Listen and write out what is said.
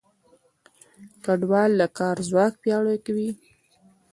کډوال د کار ځواک پیاوړی کوي.